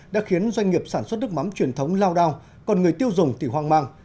đã khiến doanh nghiệp sản xuất nước mắm truyền thống lao đao còn người tiêu dùng thì hoang mang